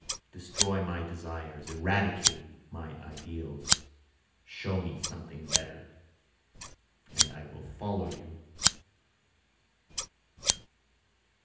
Destroy my desires, eradicate my ideals, show me something better, and I will follow you.